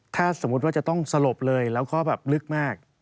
ถ้าสมมุติว่าจะต้องสลบเลยแล้วก็แบบลึกมาก